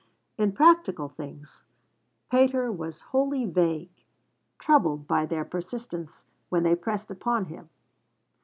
In practical things Pater was wholly vague, troubled by their persistence when they pressed upon him.